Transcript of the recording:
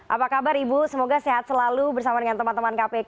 apa kabar ibu semoga sehat selalu bersama dengan teman teman kpk